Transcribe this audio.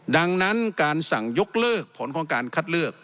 ดังนั้นการสั่งยกเลิกผลของการคัดเลือก